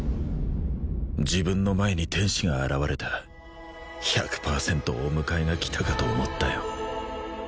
自分の前に天使が現れた１００％お迎えが来たかと思ったよ